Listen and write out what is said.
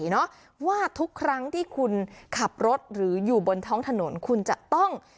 เนาะว่าทุกครั้งที่คุณขับรถหรืออยู่บนท้องถนนคุณจะต้อง